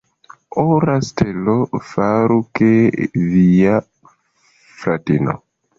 Ora stelo, faru, ke via fratino.